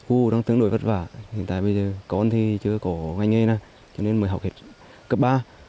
cô đang tương đối vất vả hiện tại bây giờ con thì chưa có ngành nghề nào cho nên mới học hết cấp ba